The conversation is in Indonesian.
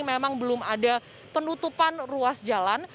memang belum ada penutupan ruas jalan